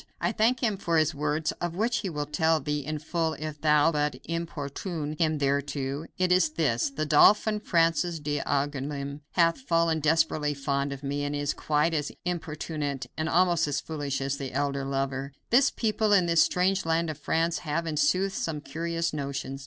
I thank him for his words, of which he will tell thee in full if thou but importune him thereto. It is this: the Dauphin, Francis d'Angouleme, hath fallen desperately fond of me, and is quite as importunate, and almost as foolish as the elder lover. This people, in this strange land of France, have, in sooth, some curious notions.